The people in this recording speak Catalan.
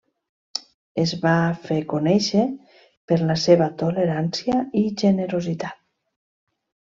Es va fer conèixer per la seva tolerància i generositat.